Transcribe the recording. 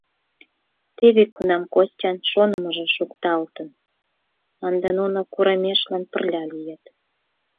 Теве кунам Костян шонымыжо шукталтын: ынде нуно курымешлан пырля лийыт.